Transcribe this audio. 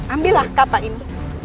ambil lah kapa ini